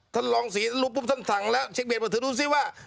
ท่านลองศรีรู้ปุ๊บท่านสั่งแล้วเช็คเดตว่าถือดูซิว่า